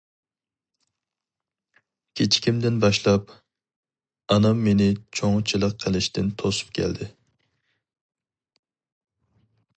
كىچىكىمدىن باشلاپ ئانام مېنى چوڭچىلىق قىلىشتىن توسۇپ كەلدى.